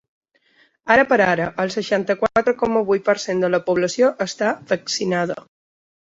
Ara per ara, el seixanta-quatre coma vuit per cent de la població està vaccinada.